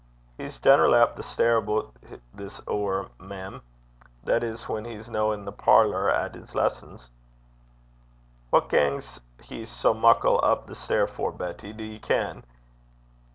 'He's generally up the stair aboot this hoor, mem that is, whan he's no i' the parlour at 's lessons.' 'What gangs he sae muckle up the stair for, Betty, do ye ken?